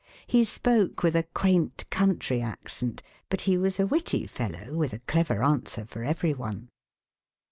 He spoke with a quaint country accent, but he was a witty fellow, with a clever answer for every one.